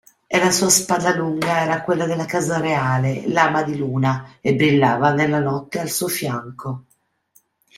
E la sua spada lunga era quella della casa reale, Lama di Luna, e brillava nella notte al suo fianco.